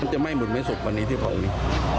มันจะไหม้หมดไหมศพวันนี้ที่ของนี่